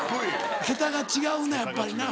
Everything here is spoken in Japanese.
桁が違うなやっぱりな。